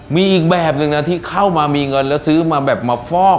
มีอีกแบบหนึ่งนะที่เข้ามามีเงินแล้วซื้อมาแบบมาฟอก